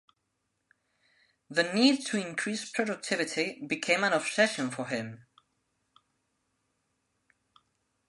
The need to increase productivity became an obsession for him.